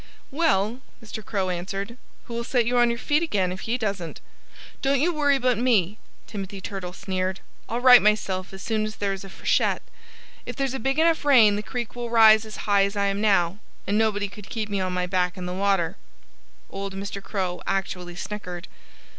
"Well," Mr. Crow answered, "who'll set you on your feet again if he doesn't?" "Don't you worry about me!" Timothy Turtle sneered. "I'll right myself as soon as there's a freshet. If there's a big enough rain the creek will rise as high as I am now. And nobody could keep me on my back in the water." Old Mr. Crow actually snickered.